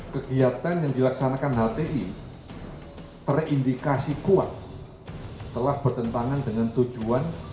kegiatan yang dilaksanakan hti terindikasi kuat telah bertentangan dengan tujuan